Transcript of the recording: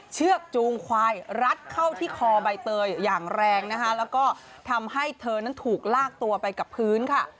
เชือกจูงควายรัดเข้าที่คอใบเตยอย่างแรงนะคะแล้วก็ทำให้เธอนั้นถูกลากตัวไปกับพื้นค่ะ